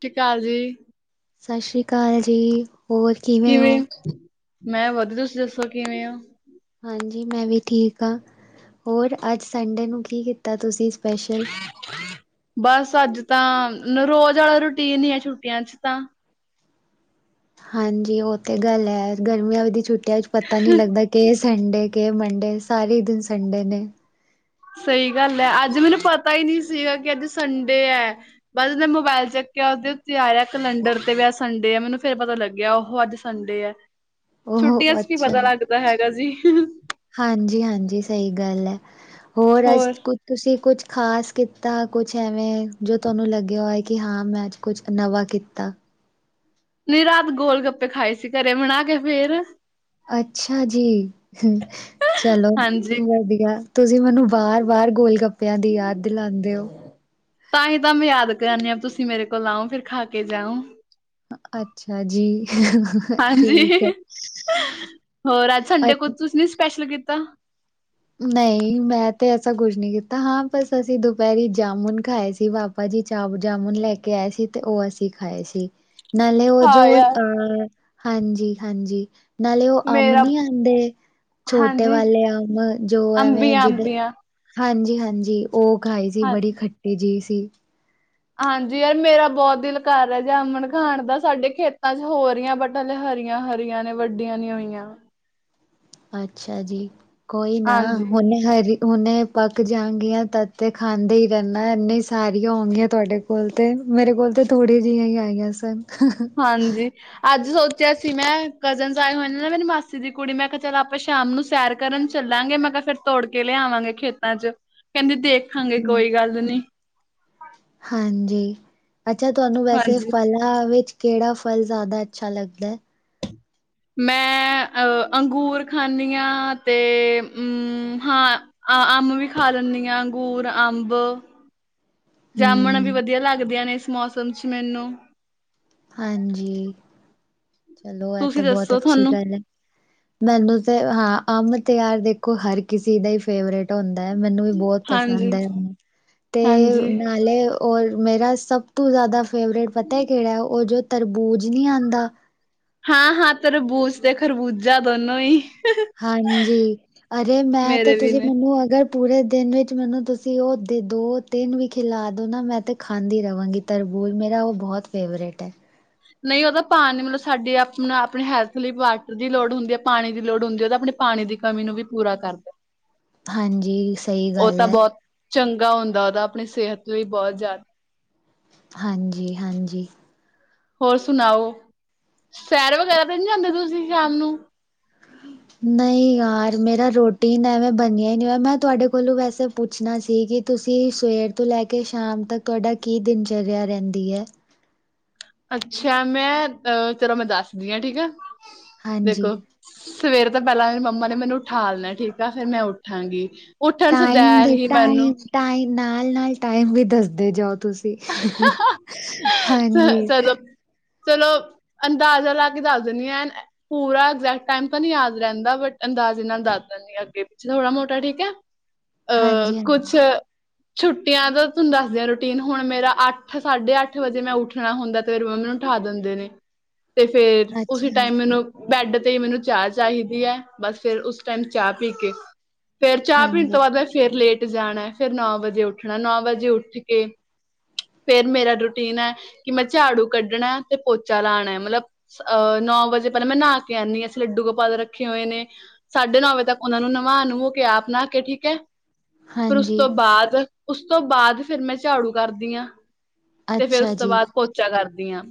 ਠੀ ਕਾਲ ਜੀ। ਸਸ਼ ਸ਼੍ਰੀ ਕਾਲ ਜੀ, ਹੋਰ ਕਿਵੇਂ ਐਂ? ਮੈਂ ਵਦ ਤੁਸੀਂ ਦੱਸੋ ਕਿਵੇਂ ਓ? ਹਾਂਜੀ, ਮੈਂ ਵੀ ਠੀਕ ਆਂ, ਹੋਰ ਅੱਜ ਸੰਡੇ ਨੂੰ ਕੀ ਕੀਤਾ ਤੁਸੀਂ ਸਪੈਸ਼ਲ? ਬਸ ਅੱਜ ਤਾਂ, ਰੋਜ਼ ਆਲਾ ਰੂਟੀਨ ਈ ਆ ਛੁੱਟੀਆਂ ਚ ਤਾਂ। ਹਾਂਜੀ, ਓਹ ਤੇ ਗੱਲ ਐ, ਗਰਮੀਆਂ ਵ ਦੀ ਛੁੱਟੀਆਂ ਚ ਪਤਾ ਨੀ ਲੱਗਦਾ ਕੇ ਸੰਡੇ, ਕੇ ਮੰਡੇ, ਸਾਰੇ ਈ ਦਿਨ ਸੰਡੇ ਨੇ। ਸਈ ਗੱਲ ਐ, ਅੱਜ ਮੈਨੂੰ ਪਤਾ ਈ ਨੀ ਸੀਗਾ ਕਿ ਅੱਜ ਸੰਡੇ ਐ। ਬਸ ਜੇ ਮੋਬੈਲ ਚੱਕਿਆ ਓਹਦੇ ਉੱਤੇ ਆਇਆ ਕੈਲੰਡਰ ਤੇ ਵੀ ਅੱਜ ਸੰਡੇ ਐ, ਮੈਨੂੰ ਫੇਰ ਪਤਾ ਲੱਗਿਆ ਓ ਹੋ ਅੱਜ ਸੰਡੇ ਐ, ਛੁੱਟੀਆਂ ਉਹ ਚ ਕੀ ਪਤਾ ਲੱਗਦਾ ਹੈਗਾ ਜੀ ਹੁ-ਹੁ ਹਾਂਜੀ-ਹਾਂਜੀ, ਸਹੀ ਗੱਲ ਐ, ਹੋਰ ਅੱਜ ਕੁ ਤੁਸੀਂ ਕੁਛ ਖ਼ਾਸ ਕੀਤਾ, ਕੁਛ ਐਵੇਂ, ਜੋ ਤੁਆਨੂੰ ਲੱਗਿਆ ਹੋਏ ਕਿ ਹਾਂ ਮੈਂ ਅੱਜ ਕੁਛ ਕ ਨਵਾਂ ਕੀਤਾ। ਨਈ ਰਾਤ ਗੋਲ-ਗੱਪੇ ਖਾਏ ਸੀ ਘਰੇ ਬਣਾ ਕੇ ਫੇਰ। ਅੱਛਾ ਜੀ, ਹੁਂ ਚਲੋ ਹਾਂਜੀ। ਵਦੀਆ। ਤੁਸੀਂ ਮੈਨੂੰ ਬਾਰ-ਬਾਰ ਗੋਲ ਗੱਪੇਆਂ ਦੀ ਯਾਦ ਦਿਲਾਂਦੇ ਓ। ਤਾਂ ਹੀ ਤਾਂ ਮੈਂ ਯਾਦ ਕਰਾਨੀ ਆਂ, ਤੁਸੀਂ ਮੇਰੇ ਕੋਲ ਆਓ ਫਿਰ ਖਾ ਕੇ ਜਾਓ। ਅੱਛਾ ਜੀ ਠੀਕ ਹਾਂਜੀ, ਹੋਰ ਅੱਜ ਐ ਸੰਡੇ ਕੁਛ ਅ ਤੁਸੀਂ ਵੀ ਸਪੈਸ਼ਲ ਕੀਤਾ। ਨਈ ਮੈਂ ਤੇ ਐਸਾ ਕੁਸ਼ ਨੀ ਕੀਤਾ ਹਾਂ ਬਸ ਅਸੀਂ ਦੁਪੈਰੀ ਜਾਮੁਨ ਖਾਏ ਸੀ ਵਾ ਪਾਜੀ ਚਾਵ ਜਾਮੁਨ ਲੈ ਕੇ ਆਏ ਸੀ ਤੇ ਓਹ ਅਸੀਂ ਖਾਏ ਸੀ। ਨਾਲੇ ਓਹ ਜੋ, ਹਾਂ ਯਾਰ ਅ ਹਾਂਜੀ-ਹਾਂਜੀ ਨਾਲੇ ਓਹ ਅੰਮ ਮੇਰਾ ਨੀ ਆਂਦੇ, ਛੋਟੇ ਹਾਂਜੀ ਵਾਲੇ ਅੰਮ ਜੋ ਐਵੇਂ ਅੰਬੀਆਂ ਜਿਧਰ ਅੰਬੀਆਂ ਹਾਂਜੀ-ਹਾਂਜੀ, ਓ ਖਾਏ ਸੀ ਬੜੀ ਹਾਂਜੀ। ਖੱਟੀ ਜੀ ਸੀ। ਹਾਂਜੀ, ਯਾਰ ਮੇਰਾ ਬਹੁਤ ਦਿਲ ਕਰ ਰਿਆ ਜਾਮਣ ਖਾਣ ਦਾ ਸਾਡੇ ਖੇਤਾਂ ਚ ਹੋ ਰਈ ਐ ਵੱ ਹਾਲੇ ਹਰੀਆਂ-ਹਰੀਆਂ ਨੇ ਵੱਡੀਆਂ ਨੀ ਹੋਈਆਂ। ਅੱਛਾ ਜੀ, ਕੋਈ ਨਾ ਹਾਂਜੀ ਹੁਨ ਹਰੀ ਹੁਨੇ ਪੱਕ ਜਾਂਗੀਆਂ ਤਦ ਤੇ ਖਾਂਦੇ ਈ ਰਹਿੰਨਾ ਇੰਨੇ ਸਾਰੀਆਂ ਹੋਨਗੀਆਂ ਤੁਹਾਡੇ ਕੋਲ ਤੇ ਮੇਰੇ ਕੋਲ ਤੇ ਥੋੜੇ ਜਈਆਂ ਈ ਆਈਆਂ ਸਨ, ਹ-ਹ ਹਾਂਜੀ। ਅੱਜ ਸੋਚਿਆ ਸੀ ਮੈਂ, ਕਜ਼ਨਸ ਆਏ ਹੋਏ ਨੇ ਨਾ ਮੇਰੀ ਮਾਸੀ ਦੀ ਕੁੜੀ, ਮੈਂ ਕਿਹਾ ਚਲ ਆਪਾਂ ਸ਼ਾਮ ਨੂੰ ਸੈਰ ਕਰਨ ਚੱਲਾਂਗੇ, ਮੈਂ ਕਿਆ ਫਿਰ ਤੋੜਕੇ ਲਿਆਵਾਂਗੇ ਖੇਤਾਂ'ਚ, ਕਹਿੰਦੀ ਦੇਖਾਂਗੇ ਕੋਈ ਗੱਲ ਨੀ। ਹਾਂਜੀ, ਅੱਛਾ ਤੁਆਨੂੰ ਵੈਸੇ ਹਾਂਜੀ ਫਲ ਆ, ਵਿੱਚ ਕਿਹੜਾ ਫਲ ਜ਼ਿਆਦਾ ਅੱਛਾ ਲੱਗਦੈ? ਮੈਂ ਅ, ਅੰਗੂਰ ਖਾਂਨੀ ਆਂ, ਤੇ, ਉਂ, ਹਾਂ ਆ ਅੰਮ ਵੀ ਖਾ ਲਿੱਨੀ ਆ, ਅੰਗੂਰ, ਅੰਬ ਜਾਮਣ ਵੀ ਹੂੰ ਵਦੀਆ ਲੱਗਦੀਆਂ ਨੇ, ਇਸ ਮੌਸਮ'ਚ ਮੈਨੂੰ। ਹਾਂਜੀ, ਚਲੋ ਐ ਤੇ ਤੁਸੀਂ ਬਹੁਤ ਦੱਸੋ ਅੱਛੀ ਤੁਹਾਨੂੰ ਗੱਲ ਏ। ਮੈਨੂੰ ਤੇ, ਹਾਂ ਅੰਮ ਤੇ ਯਾਰ ਦੇਖੋ ਹਰ ਕਿਸੀ ਦਾ ਈ ਫੇਵਰੇਟ ਹੁੰਦਾ ਐ, ਮੈਨੂੰ ਵੀ ਬਹੁਤ ਪਸੰਦ ਹਾਂਜੀ, ਏ, ਤੇ ਹਾਂਜੀ ਨਾਲੇ ਔਰ ਮੇਰਾ ਸਭ ਤੋਂ ਜ਼ਿਆਦਾ ਫੇਵਰੇਟ ਪਤਾ ਏ ਕਿਹੜਾ, ਓ ਜੋ ਤਰਬੂਜ ਨਹੀਂ ਆਂਦਾ। ਹਾਂ-ਹਾਂ, ਤਰਬੂਜ ਤੇ ਖਰਬੂਜਾ ਦੋਨੋ ਹੀ। ਹਾਂਜੀ, ਅਰੇ ਮੈਂ ਤਾਂ ਮੇਰੇ ਵੀ ਤੁਸੀਂ ਨੇ ਮੈਨੂੰ ਅਗਰ ਪੂਰੇ ਦਿਨ ਵਿੱਚ ਮੈਨੂੰ ਤੁਸੀਂ ਉਹ ਦੋ ਤਿੰਨ ਵੀ ਖਿਲਾਦੋ ਨਾ, ਮੈਂ ਤੇ ਖਾਂਦੀ ਰਵਾਂਗੀ। ਤਰਬੂਜ਼, ਮੇਰਾ ਉਹ ਬਹੁਤ ਫੇਵਰੇਟ ਐ। ਨਹੀਂ, ਉਹਦਾ ਪਾਣੀ ਮਤਲਬ ਸਾਡੀ ਆਪਣਾ ਆਪਣੀ ਹੈਲਥ ਲਈ ਵਾਟਰ ਦੀ ਲੋੜ ਹੁੰਦੀ ਹੈ, ਪਾਣੀ ਦੀ ਲੋੜ ਹੁੰਦੀ ਹੈ ਉਹਦਾ ਆਪਣੇ ਪਾਣੀ ਦੀ ਕਮੀ ਨੂੰ ਵੀ ਪੂਰਾ ਕਰਦੇ। ਹਾਂਜੀ, ਸਹੀ ਗੱਲ ਤਾਂ ਐ। ਬੋਤ ਚੰਗਾ ਹੁੰਦਾ, ਉਹਦਾ ਆਪਣੀ ਸਿਹਤ ਵੀ ਬਹੁਤ ਜ਼ਿਆ ਹਾਂਜੀ-ਹਾਂਜੀ। ਹੋਰ ਸੁਣਾਓ, ਸੈਰ ਵਗੈਰਾ ਤੇ ਨਹੀਂ ਜਾਂਦੇ ਤੁਸੀਂ ਸ਼ਾਮ ਨੂੰ? ਨਹੀਂ ਯਾਰ, ਮੇਰਾ ਰੋਟੀਨ ਐਵੇਂ ਬਣਿਆ ਨਹੀਂ, ਮੈਂ ਤੁਹਾਡੇ ਕੋਲੋਂ ਵੈਸੇ ਪੁੱਛਣਾ ਸੀ, ਕਿ ਤੁਸੀਂ ਸਵੇਰ ਤੋਂ ਲੈਕੇ ਸ਼ਾਮ ਤੱਕ ਤੁਹਾਡਾ ਕੀ ਦਿਨਚਰਿਆ ਰਹਿੰਦੀ ਐ? ਅੱਛਾ, ਮੈਂ ਚਲੋ ਮੈਂ ਦੱਸਦੀ ਆ ਠੀਕ ਆ, ਹਾਂਜੀ ਦੇਖੋ। ਸਵੇਰ ਤੋਂ ਪਹਿਲਾਂ ਮੇਰੀ ਮੰਮਾ ਨੇ ਮੈਨੂੰ ਉਠਾਲਣਾ ਠੀਕ ਆ, ਫੇਰ ਮੈਂ ਉਠਾਂਗੀ ਉੱਠਣ ਟਾਈਮ ਸਦੈਹ ਦੇ ਹੀ ਮੈਨੂੰ ਟਾਈਮ ਟਾਈਮ, ਨਾਲ-ਨਾਲ ਟਾਈਮ ਵੀ ਦੱਸਦੇ ਜਾਓ, ਤੁਸੀਂ। ਹਾਂਜੀ ਚਲੋ, ਚਲੋ ਅੰਦਾਜ਼ਾ ਲਾਕੇ ਦੱਸ ਦਿਨੀਂ ਐਨ ਪੂਰਾ ਐਗਜੈਕਟ ਟਾਈਮ ਤਾਂ ਨੀ ਯਾਦ ਰਹਿੰਦਾ ਬਟ, ਅੰਦਾਜੇ ਨਾਲ ਦੱਸ ਦਿੰਨੀ ਆ, ਅੱਗੇ-ਪਿੱਛੇ, ਥੋੜਾ ਮੋਟਾ ਠੀਕ ਹੈ। [inaudible] ਅ, ਹਾਂਜੀ ਕੁਛ ਛੁੱਟੀਆਂ ਦਾ ਤੁਹਾਨੂੰ ਦੱਸਦੀ ਆਂ ਰੂਟੀਨ, ਹੁਣ ਮੇਰਾ ਅੱਠ ਸਾਢੇ-ਅੱਠ ਵਜੇ ਜੇ ਮੈਂ ਉੱਠਣਾ ਹੁੰਦਾ, ਤੇ ਫੇਰ ਮੰਮੀ ਉਠਾ ਦਿੰਦੇ ਨੇ, ਤੇ ਫੇਰ ਉਸੇ ਅੱਛਾ ਟਾਈਮ ਮੈਨੂੰ ਬੈਡ ਤੇ ਈ ਮੈਨੂੰ ਚਾਹ ਚਾਹੀਦੀ ਹੈ, ਬਸ ਫੇਰ ਉਸ ਟਾਈਮ ਚਾਹ ਪੀਕੇ ਫੇਰ ਚਾਹ ਪੀਣ ਹਾਂਜੀ ਤੋਂ ਬਾਅਦ, ਮੈਂ ਫੇਰ ਲੇਟ ਜਾਣੈ। ਫੇਰ ਨੌ ਵਜੇ ਉੱਠਣਾ, ਨੌ ਵਜੇ ਉੱਠਕੇ ਫੇਰ ਮੇਰਾ ਰੁ ਨਾ, ਕਿ ਮੈਂ ਝਾੜੂ ਕੱਢਣਾ ਤੇ ਪੋਚਾ ਲਾਣੈ, ਮਤਲਬ ਅ, ਨੌ ਵਜੇ ਪਹਿਲਾਂ ਮੈਂ ਨਹਾਕੇ ਆਂਨੀ ਆਂ, ਅਸੀਂ ਲੱਡੂ ਗੋਪਾਲ ਰੱਖੇ ਹੋਏ ਨੇ। ਸਾਢੇ-ਨੌ ਵਜੇ ਤੱਕ ਉਹਨਾ ਨੂੰ ਨ੍ਹਵਾ-ਨੁਵੋ ਕੇ ਆਪ ਨਹਾਕੇ ਠੀਕ ਐ। ਫਿਰ ਉਸ ਹਾਂਜੀ ਤੋਂ ਬਾਅਦ, ਉਸ ਤੋਂ ਬਾਅਦ, ਫਿਰ ਮੈਂ ਝਾੜੂ ਕਰਦੀ ਆਂ। ਤੇ ਫੇਰ ਅੱਛਾ ਉਸ ਤੋਂ ਜੀ ਬਾਅਦ ਪੋਚਾ ਕਰਦੀ ਆਂ,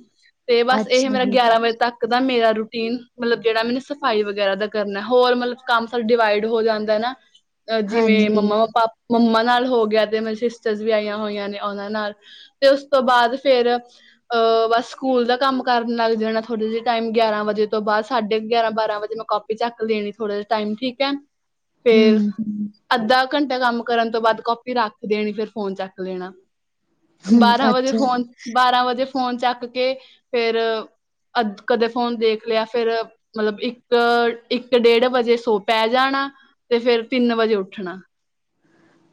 ਤੇ ਬਸ ਇਹ ਅੱਛਾ ਮੇਰਾ ਜੀ ਗਿਆਰਾਂ ਵਜੇ ਤੱਕ ਮੇਰਾ ਰੂਟੀਨ ਮਤਲਬ ਜਿਹੜਾ ਮੈਨੂੰ ਸਫਾਈ ਵਗੈਰਾ ਦਾ ਕਰਨਾ, ਹੋਰ ਮਤਲਬ ਕੰਮ ਫਿਰ ਡਿਵਾਈਡ ਹੋ ਜਾਂ ਨਾ, ਜਿਵੇਂ ਹਾਂਜੀ ਮੰਮਾ-ਪਾ ਮੰਮਾ ਨਾਲ ਹੋ ਗਿਆ, ਤੇ ਮੇਰੇ ਸਿਸਟਰਸ ਵੀ ਆਈਆਂ ਹੋਈਆਂ ਨੇ, ਉਹਨਾਂ ਨਾਲ ਤੇ ਉਸ ਉਸ ਤੋਂ ਬਾਅਦ ਫੇਰ ਅ, ਬਸ, ਸਕੂਲ ਦਾ ਕੰਮ ਕਰਨ ਲੱਗ ਜਾਣਾ, ਥੋੜੇ ਜਿਹੇ ਟਾਈਮ, ਗਿਆਰਾਂ ਵਜੇ ਤੋਂ ਬਾਅਦ, ਸਾਢੇ ਗਿਆਰਾਂ ਬਾਰਾਂ ਵਜੇ ਮੋ ਚੱਕ ਦੇਣੀ, ਥੋੜਾ ਜਿਹਾ ਟਾਈਮ ਠੀਕ ਹੈ, ਫੇਰ ਹਮ ਅੱਧਾ, ਘੰਟਾ ਕੰਮ ਕਰਨ ਤੋਂ, ਬਾਅਦ ਕਾਪੀ ਰੱਖ ਦੇਣੀ ਫੇਰ ਫੋਨ ਚੱਕ ਲੈਣਾ। ਹੁੰ, ਬਾਰਾਂ ਵਜੇ ਅੱਛਾ। ਫੋਨ ਬਾਰਾਂ ਵਜੇ, ਫੋਨ ਚੱਕ ਕੇ ਫੇਰ ਅਜ, ਕਦੇ ਫੋਨ ਦੇਖ ਲਿਆ ਫੇਰ। ਮਤਲਬ, ਇੱਕ ਇੱਕ ਡੇਢ ਵਜੇ ਸੌ ਪੈ ਜਾਣਾ, ਤੇ ਫੇਰ ਤਿੰਨ ਵਜੇ ਉੱਠਣਾ।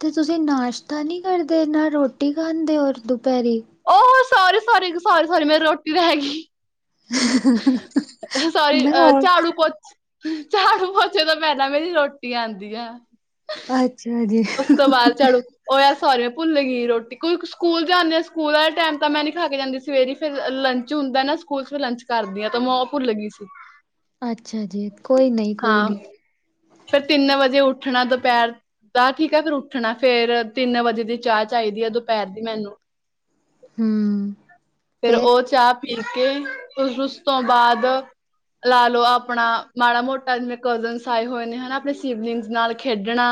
ਤੇ ਤੁਸੀਂ ਨਾਸ਼ਤਾ ਨਹੀਂ ਕਰਦੇ, ਨਾ ਰੋਟੀ ਖਾਂਦੇ ਹੋਰ ਦੁਪਹਿਰੀ ਉਹ ਸੋਰੀ-ਸੋਰੀ, ਸੋਰੀ- ਮੇਰੀ, ਰੋਟੀ ਰੈਗੀ। ਸੋਰੀ, ਮੈਂ ਅ ਔਰ ਝਾੜੂ ਪੋਚ। ਝਾਰੂ ਪੋਚੇ ਤੋਂ, ਪਹਿਲਾਂ ਮੇਰੀ ਰੋਟੀ ਆਉਂਦੀ ਏ। ਅੱਛਾ ਜੀ। ਝਾੜੂ ਉਹ ਯਾਰ, ਸਾਰੀ ਮੈਂ ਭੁੱਲ ਗਈ ਰੋਟੀ, ਕੋਈ ਸਕੂਲ ਜਾਂਦੇ ਆ, ਸਕੂਲ ਵਾਲੇ, ਟਾਈਮ ਤਾਂ ਮੈਂ ਨੀ ਖਾ ਕੇ ਜਾਂਦੀ ਸਵੇਰੇ ਫਿਰ, ਲੰਚ ਹੁੰਦਾ ਨਾ, ਸਕੂਲ ਚ ਫਿਰ ਲੰਚ ਕਰਦੀ ਆ, ਤਾਂ ਮੈਂ ਓ ਭੁੱਲ ਗਈ ਸੀ। ਅੱਛਾ ਜੀ, ਕੋਈ ਨਹੀਂ, ਕੋਈ ਨਹੀਂ। ਫੇਰ, ਤਿੰਨ ਵਜੇ ਉੱਠਣਾ ਦੁਪਹਿਰ [unintelligible] ਠੀਕ ਹੈ, ਫਿਰ ਉੱਠਣਾ, ਫੇਰ ਤਿੰਨ ਵਜੇ ਦੀ ਚਾਹ ਚਾਹੀਦੀ ਹੈ ਦੁਪੈਰ ਦੀ ਮੈਨੂੰ ਹਮ ਫੇਰ, ਉਹ ਚਾਹ ਪੀ ਕੇ [unintelligible] ਉਸ ਤੋਂ ਬਾਅਦ। ਲਾ ਲੋ, ਆਪਣਾ ਮਾੜਾ ਮੋਟਾ ਜਿਵੇਂ, ਕਜ਼ਨਸ ਆਏ ਹੋਏ ਨੇ, ਹੈਨਾ, ਅਪਣੇ ਸਿਬਲਿੰਗਸ ਨਾਲ ਖੇਡਣਾ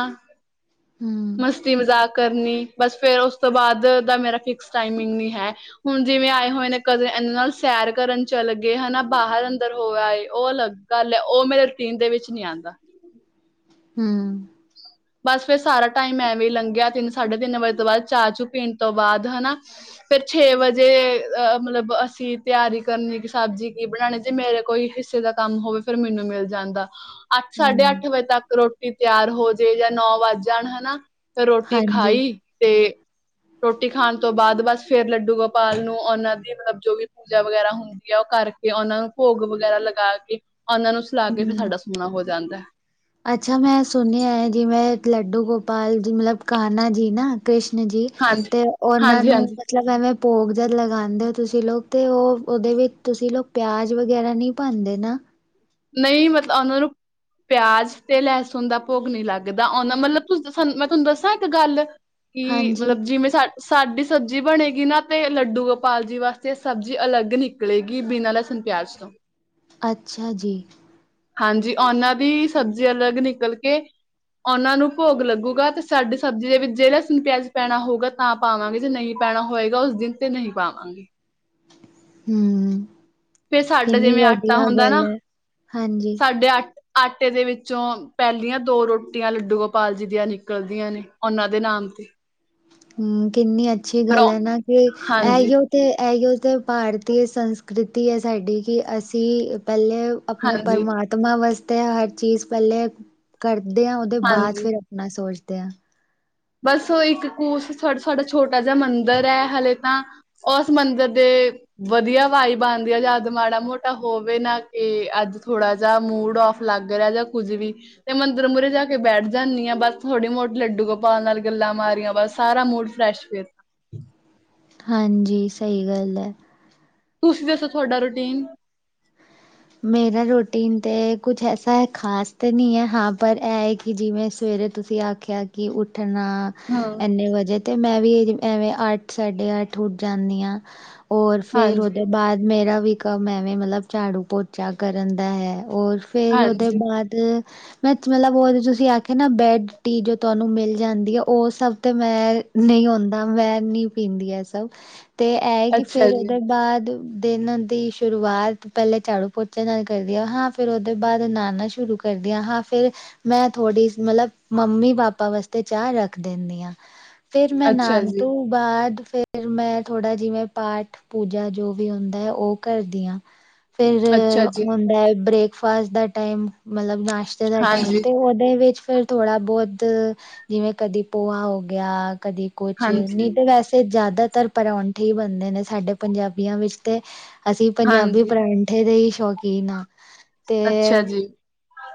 ਹਮ ਮਸਤੀ ਮਜ਼ਾਕ ਕਰਨੀ, ਬਸ ਫੇਰ, ਉਸ ਤੋਂ ਬਾਅਦ ਦਾ, ਮੇਰਾ ਫਿਕਸ ਟਾਈਮਿੰਗ ਨੀ ਹੈ ਹੁਣ ਜਿਵੇਂ ਆਏ ਹੋਏ ਨੇ ਕਦੇ, ਇਹਨਾਂ ਨਾਲ ਸੈਰ ਕਰਨ ਚਲ ਗਏ ਹੈਨਾ, ਬਾਹਰ ਅੰਦਰ ਹੋ ਆਏ ਉਹ ਅਲੱਗ ਗੱਲ ਹੈ, ਉਹ ਮੇਰੇ, ਰੂਟੀਨ ਦੇ ਵਿੱਚ ਨੀ ਆਦਾਂ ਹੁੰ। ਬਸ ਫੇਰ, ਸਾਰਾ ਟਾਈਮ ਐਵੇਂ, ਹੀ ਲੰਘਿਆ, ਤਿੰਨ ਸਾਢੇ ਤਿੰਨ ਵਜੇ ਤੋਂ, ਬਾਅਦ ਚਾਹ ਚੂ ਪੀਣ ਤੋਂ ਬਾਅਦ ਹੈਨਾ ਫੇਰ ਛੇ ਵਜੇ, ਅ ਮਤਲਬ ਅਸੀਂ ਤਿਆਰੀ ਕਰਨੀ, ਕਿ ਸਬਜ਼ੀ ਕੀ ਬਣਾਉਣੀ, ਜੇ ਮੇਰੇ ਕੋਈ ਹਿਸ ਹਿਸੇ ਦਾ, ਕੰਮ ਹੋਵੇ, ਫੇਰ ਮੈਨੂੰ ਮਿਲ ਜਾਂਦਾ। ਅੱਠ ਸਾਢੇ, ਹਮ ਅੱਠ ਵਜੇ ਤੱਕ ਰੋਟੀ ਤਿਆਰ ਹੋ, ਜੇ ਯਾ ਨੌ ਵੱਜ ਜਾਣ ਹੈਨਾ। ਤੇ, ਰੋਟੀ ਹਾਂਜੀ ਖਾਈ ਤੇ ਰੋਟੀ ਖਾਣ ਤੋਂ, ਬਾਅਦ ਬਸ ਫੇਰ, ਲੱਡੂ ਗੋਪਾਲ ਨੂੰ ਉਹਨਾਂ ਦੀ ਮਤਲਬ, ਜੋ ਵੀ ਪੂਜਾ ਵਗੈਰਾ ਹੁੰਦੀ [unintelligible] ਕਰਕੇ ਉਹਨਾਂ ਨੂੰ, ਭੋਗ ਵਗੈਰਾ ਲਗਾ ਕੇ, ਉਹਨਾਂ ਨੂੰ ਸੁਲਾ ਕੇ ਫਿਰ ਹਮ ਸਾਡਾ ਸੋਣਾ ਹੋ ਜਾਂਦਾ ਏ ਅੱਛਾ, ਮੈਂ ਸੁਣਿਆ ਹੈ, ਜੀਵੇੈਂ ਲੱਡੂ ਗੋਪਾਲ ਜੀ, ਮਤਲਬ ਕਾਹਣਾ ਜੀ ਨਾ ਕ੍ਰਿਸ਼ਨ ਜੀ, ਹਾਂਜੀ ਤੇ ਉਹਨਾਂ ਹਾਂਜੀ ਨੂੰ ਹਾਂਜੀ ਮਤਲਬ, ਐਵੇਂ, ਭੋਗ ਜਦ ਲਗਾਉਂਦੇ ਹੋ, ਤੁਸੀਂ ਲੋਕ ਤੇ ਉਹ, ਉਹਦੇ ਵਿੱਚ ਤੁਸੀਂ ਲੋਕ ਪਿਆਜ ਵਗੈਰਾ ਨਹੀਂ ਪਾਂਦੇ ਨਾ। ਨਹੀਂ, ਮਤਲਬ। [unintelligible] ਪਿਆਜ ਤੇ ਲਹਿਸੁਣ ਦਾ, ਭੋਗ ਨੀ ਲੱਗਦਾ, ਉਹਨਾ ਮਤਲਬ, [unintelligible] ਮੈਂ ਤੁਹਾਨੂੰ ਦੱਸਾਂ ਇੱਕ ਗੱਲ ਕਿ, ਹਾਂਜੀ ਮਤਲਬ ਜਿਵੇਂ ਸਾ ਸਾਡੀ ਸਬਜ਼ੀ ਬਣੇਗੀ, ਨਾ ਤੇ ਲੱਡੂ ਗੋਪਾਲ ਜੀ, ਵਾਸਤੇ ਸਬਜ਼ੀ ਅਲੱਗ ਨਿ ਕਲੇਗੀ, ਬਿਨਾ ਲਹਿਸਣ ਪਿਆਜ ਤੋਂ ਅੱਛਾ ਜੀ। ਹਾਂਜੀ, ਉਹਨਾਂ ਦੀ ਸਬਜ਼ੀ, ਅਲੱਗ ਨਿਕਲ ਕੇ। ਉਹਨਾਂ ਨੂੰ ਭੋਗ ਲੱਗੂਗਾ, ਤੇ ਸਾਡੀ ਸਬਜ਼ੀ ਦੇ ਵਿੱਚ ਜੇ ਲਸਣ, ਪਿਆਜ ਪੈਣਾ ਹੋਊਗਾ। ਤਾ ਪਾਵਾਂਗੇ, ਜੇ ਨਹੀਂ ਪੈਣਾ ਹੋਏਗਾ, ਓਸ ਦਿਨ ਤੇ ਨਹੀਂ ਪਾਵਾਂਗੇ। ਹੂੰ। ਫੇਰ ਸਾਡੇ, ਕਿੰਨੀ ਜਿਵੇਂ ਆਟਾ ਵਧੀਆ ਹੁੰਦਾ ਨਾ, ਗੱਲ ਹੈ ਹਾਂਜੀ ਸਾਡੇ ਆ ਆਟੇ ਦੇ ਵਿੱਚੋਂ ਪੈਹਲੀਆਂ ਦੋ ਰੋਟੀਆਂ, ਲੱਡੂ ਗੋਪਾਲ ਜੀ ਦੀਆਂ ਨਿਕਲਦੀਆਂ ਨੇ, ਓਨਾਂ ਦੇ ਨਾਮ ਤੇ ਹੂੰ, ਕਿੰਨੀ ਅੱਛੀ ਪਰ ਗੱਲ ਉਹ ਹੈ ਨਾ, ਕਿ ਹਾਂਜੀ ਏਹੀਓ। ਤੇ ਏਹੀਉ ਤੇ ਭਾਰਤੀ ਸੰਸਕ੍ਰਿਤੀ ਹੈ, ਸਾਡੀ ਕਿ ਅਸੀਂ ਅ ਪੈਹਲੇ ਆਪਣੇ ਹਾਂਜੀ ਪਰਮਾਤਮਾ ਵਾਸਤੇ, ਹਰ ਚੀਜ਼ ਪੈਹਲੇ ਕਰਦੇ ਹਾਂ, ਓਦੇ ਬਾਅਦ ਹਾਂਜੀ ਫੇਰ ਅਪਨਾ ਸੋਚਦੇ ਹਾਂ। ਬਸ ਓਹੀ [inaudible] ਇੱਕ ਸਾਡਾ ਛੋਟਾ ਜਿਹਾ, ਮੰਦਰ ਐ, ਹਲੇੇ ਤਾਂ ਉਸ ਮੰਦਰ ਦੇ ਵਧੀਆ ਵਾਈਬ ਆਂਦੀ ਆ, ਜਦ ਮਾੜਾ ਮੋਟਾ ਹੋਵੇ ਨਾ, ਕਿ ਅੱਜ ਥੋੜਾ ਜਿਹਾ ਮੂੜ ਔਫ ਲੱਗ ਰਿਹਾ ਯਾਂ ਕੁੱਝ ਵੀ ਤੇ ਮੰਦਰ ਮੂਰੇ ਜਾ ਕੇ ਬੈਠ ਜਾਂਨੀ ਆਂ, ਬਸ ਥੋੜੀ ਬੋਤ ਲੱਡੂ ਗੋਪ ਪਾਲ ਨਾਲ ਗੱਲਾਂ ਮਾਰੀਆਂ ਬਸ, ਸਾਰਾ ਮੂਡ ਫਰੈਸ਼ ਫੇਰ ਹਾਂਜੀ, ਸਹੀ ਗੱਲ ਹੈ। ਤੁਸੀ ਦੱਸੋ? ਥੋਡਾ ਰੂਟੀਨ। ਮੇਰਾ ਰੋਟੀਨ ਤੇ ਕੁੱਛ ਐਸਾ ਹੈ, ਖ਼ਾਸ ਤੇ ਨਹੀਂ ਹੈ ਹਾਂ, ਪਰ ਏ ਹੈ ਕਿ ਜਿਵੇਂ ਸਵੇਰੇ ਤੁਸੀਂ ਆਖ ਖਿਆ, ਕੇ ਉੱਠਣਾ ਹੂੰ। ਏਨੇ ਵਜੇ ਤੇ ਮੈਂ ਵੀ ਐਵੇਂ ਅੱਠ, ਸਾਡੇ ਅੱਠ ਉੱਠ ਜਾਂਨੀ ਆਂ। ਔਰ ਫੇਰ, ਹਾਂਜੀ ਓਹਦੇ ਬਾਦ ਮੇਰਾ ਵੀ ਕੰਮ ਐਵੇਂ, ਮਤਲਬ ਝਾੜੂ ਪੋ ਚਾ ਕਰਨ ਦਾ ਹੈ, ਔਰ ਫੇਰ ਓਦੇ ਹਾਂਜੀ, ਬਾਅਦ ਮਤਲਬ, ਓ ਜੋ ਤੁਸੀਂ ਆਖਿਆ ਨਾ, ਬੈਡ-ਟੀ ਜੋ ਤੁਹਾਨੂੰ ਮਿਲ ਜਾਂਦੀ ਹੈ, ਓ ਸਭ ਤੇ ਮੈਂ ਨਹੀਂ ਆਉਦਾ, ਮੈਂ ਨਹੀਂ ਪੀਂਦੀ ਐ, ਸਭ ਤੇ ਐਏਗੀ, ਅੱਛਾ ਫੇਰ ਜੀ, ਉਹਦੇ ਬਾਅਦ ਦਿਨ ਦੀ ਸ਼ੁਰੂਆਤ, ਪੈਲੇ ਝਾੜੂ ਪੋਚ ਚੇ ਨਾਲ ਕਰਦੀਆਂ, ਹਾਂ ਫੇਰ ਓਦੇ ਬਾਅਦ ਨਹਾਨਾ ਸ਼ੁਰੂ ਕਰਦੀਆਂ, ਹਾਂ ਫੇਰ ਮੈਂ ਥੋੜ੍ਹੀ ਮਤਲਬ, ਮੰਮੀ ਪਾਪਾ ਵਾਸਤੇ ਚਾਹ ਰੱਖ ਦਿੰਦੀ ਹਾਂ। ਫੇਰ, ਮੈਂ ਅੱਛਾ ਨਾਣ ਜੀ, ਤੋਂ ਬਾਅਦ ਫੇਰ ਮੈਂ ਥੋੜ੍ਹਾ ਜਿਵੇਂ ਪਾਠ ਪੂਜਾ ਜੋ ਵੀ ਹੁੰਦਾ ਹੈ, ਓ ਕਰਦੀਆਂ। ਫੇਰ ਅੱਛਾ ਜੀ, ਹੁੰਦਾ ਹੈ, ਬ੍ਰੇਕਫਾਸਟ ਦਾ ਟਾਈਮ, ਮਤਲਬ ਨਾਸ਼ਤੇ ਦਾ ਟਾਈਮ, ਹਾਂਜੀ। ਤੇ ਓਹਦੇ ਵਿੱਚ ਫ਼ਿਰ ਥੋੜਾ ਬੋਤ, ਜਿਵੇਂ ਕਦੀ ਪੋਹਾ ਹੋ ਗਿਆ ਕਦੀ ਕੁਛ ਹਾਂਜੀ, ਨੀ ਤਾਂ ਵੈਸੇ, ਜ਼ਿਆਦਾਤਰ ਪਰੌਠੇਂ ਹੀ ਬਣਦੇ ਨੇ, ਸਾਡੇ ਪੰਜਾਬੀਆਂ ਵਿੱਚ ਤੇ। ਅਸੀਂ ਪੰਜਾਬੀ ਹਾਂਜੀ, ਪਰਾਂਠੇ ਦੇ ਹੀ ਸ਼ੌਕੀਨ ਹਾਂ। ਤੇ ਅੱਛਾ ਜੀ।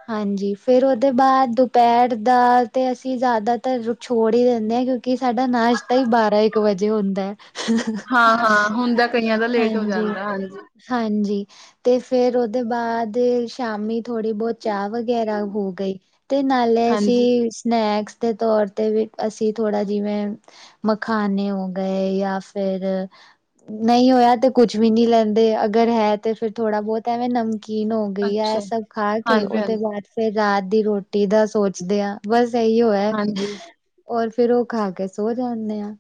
ਹਾਂਜੀ, ਫੇਰ ਓਹਦੇ ਬਾਅਦ ਦੁਪਹਿਰ ਦਾ ਤੇ ਅਸੀਂ ਜ਼ਿਆਦਾਤਰ ਛੋੜ ਹੀ ਦਿੰਦੇ ਹਾਂ, ਕਿਉਂਕਿ ਕਿ ਸਾਡਾ ਨਾਸ਼ਤਾਂ ਹੀ, ਬਾਰਾਂ ਇੱਕ ਵਜੇ ਹੁੰਦਾ ਹੈ। ਹਾਂ-ਹਾਂ, ਹੁਣ ਦਾ ਕਈਆਂ ਦਾ ਲੇਟ ਹੋ ਹਾਂਜੀ ਜਾਂਦਾ, ਹਾਂਜੀ। ਹਾਂਜੀ, ਤੇ ਫੇਰ ਓਹਦੇ ਬਾਦ ਸ਼ਾਮੀ ਥੋੜ੍ਹੀ ਬੋਤ ਚਾਹ ਵ ਵਗੈਰਾ ਹੋ ਗਈ, ਤੇ ਨਾਲੇ ਹਾਂਜੀ, ਅਸੀਂ ਸਨੈਕਸ ਦੇ ਤੌਰ ਤੇ ਵੀ, ਅਸੀਂ ਥੋੜ੍ਹਾ ਜਿਵੇਂ ਮਖਾਨੇ ਹੋ ਗਏ, ਯਾ ਫਿਰ ਨਹੀਂ ਹੋਇਆ ਤਾਂ ਕੁਛ ਵੀ ਨਹੀਂਲੈਂਦੇ, ਅਗਰ ਹੈ ਤਾਂ ਫੇਰ ਥੋੜ੍ਹਾ ਬੋਤ ਐਵੇਂ ਨਮ ਨਮਕੀਨ ਹੋ ਗਈ ਐ, ਏ ਅੱਛਾ। ਸਭ ਖਾ ਕੇ ਓਦੇ ਹਾਂਜੀ-ਹਾਂਜੀ, ਬਾਦ ਫੇਰ ਰਾਤ ਦੀ ਰੋਟੀ ਦਾ ਸੋਚਦੇ ਹਾਂ, ਬਸ ਇਹੀਓ ਹੈ। ਹਾਂਜੀ, ਹਾਂਜੀ, ਔਰ ਫੇਰ, ਓ ਖਾ ਕੇ ਸੋ ਜਾਂਦੇ ਆ।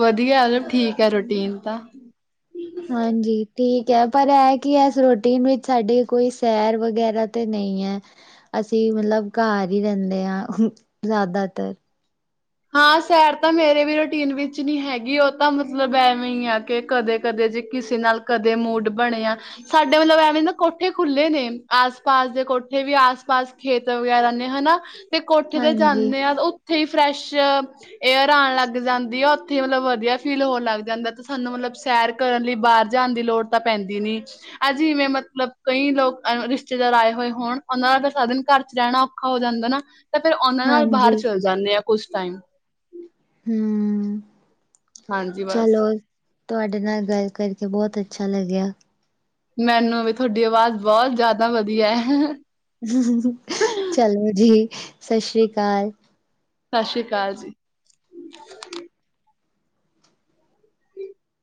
ਵਧੀਆ ਐ, ਠੀਕ ਹੈ, ਰੂਟੀਨ ਤਾਂ ਹਾਂਜੀ ਠੀਕ ਹੈ, ਪਰ ਇਹ ਕਿ ਇਸ ਰੋਟੀਨ ਵਿੱਚ ਸਾਡੀੇ ਕੋਈ ਸੈਰ ਵਗੈਰਾ ਤੇ ਨਹੀਂ ਹੈ। ਅਸੀਂ ਮਤਲਬ ਘਰ ਹੀ ਰਹਿੰਦੇ ਹਾਂ ਜ਼ਿਆਦਾਤਰ। ਹਾਂ ਸੈਰ ਤਾਂ ਮੇਰੇ ਵੀ ਰੂਟੀਨ ਵਿੱਚ ਨਹੀਂ ਹੈਗੀ, ਉਹ ਤਾਂ ਮਤਲਬ ਐਵੇਂ ਹੀ ਆ ਕਿ ਕਦੇ ਕਦੇ ਜੇ ਕਿਸੇ ਨਾਲ ਕਦੇ ਮੂਡ ਬਣੇਆ ਸਾਡੇ ਮਤਲਬ ਐਵੇਂ ਨਾ ਕੋਠੇ ਖੁੱਲ੍ਹੇ ਨੇ, ਆਸ ਪਾਸ ਦੇ ਕੋਠੇ ਵੀ ਆਸ ਪਾਸ ਖੇਤ ਵਗੈਰਾ ਨੇ ਹਨਾ, ਤੇ ਕੋਠੇ ਤੇ ਹਾਂਜੀ ਜਾਂਦੇ ਆ ਉੱਥੇ ਹੀ ਫਰੈਸ਼ ਏਅਰ ਆਉਣ ਲੱਗ ਜਾਂਦੀ ਆ ਉੱਥੇ, ਮਤਲਬ ਵਧੀਆ ਫੀਲ ਹੋਣ ਲੱਗ ਜਾਂਦਾ ਤੇ ਸਾਨੂੰ ਮਤਲਬ ਸੈਰ ਕਰਨ ਲਈ ਬਾਹਰ ਜਾਣ ਦੀ ਲੋੜ ਤਾਂ ਪੈਂਦੀ ਨੀ। ਆ ਜਿਵੇਂ ਮਤਲਬ ਕਈ ਲੋਕ ਅ ਰਿਸ਼ਤੇਦਾਰ ਆਏ ਹੋਏ ਹੋਣ ਉਹਨਾਂ ਦਾ ਵੀ ਸਾਧਨ ਘਰ ਚ ਰਹਿਣਾ ਹੋ ਜਾਂਦਾ ਨਾ ਤਾਂ ਫੇਰ ਉਹਨਾਂ ਨਾਲ ਹਾਂਜੀ ਬਾਹਰ ਚਲੇ ਜਾਂਦੇ ਆ ਕੁਛ ਟਾਈਮ ਹਮਮਮਮਮ ਹਾਂਜੀ ਬਸ ਚਲੋ ਤੁਹਾਡੇ ਨਾਲ ਗੱਲ ਕਰਕੇ ਬੋਤ ਅੱਛਾ ਲੱਗਿਆ। ਮੈਨੂੰ ਵੀ ਤੁਹਾਡੀ ਆਵਾਜ਼ ਬੋਤ ਜਿਆਦਾ ਵਧੀਆ ਹੈ। ਚਲੋ ਜੀ ਸਤਿ ਸ੍ਰੀ ਅਕਾਲ। ਸਤਿ ਸ਼੍ਰੀ ਅਕਾਲ ਜੀ।